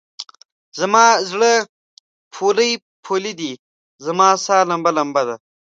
زما زړه پولۍ پولی دی، زما سا لمبه لمبه ده